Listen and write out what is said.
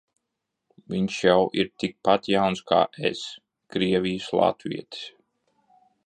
Viņš jau ir tikpat jauns kā es – Krievijas latvietis.